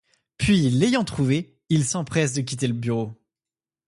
Puis l'ayant trouvée, il s'empresse de quitter le bureau.